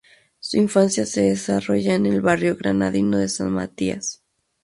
Su infancia se desarrolla en el barrio granadino de San Matías.